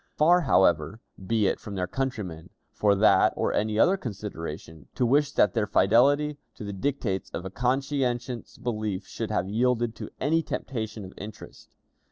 Far, however, be it from their countrymen, for that or any other consideration, to wish that their fidelity to the dictates of a conscientious belief should have yielded to any temptation of interest.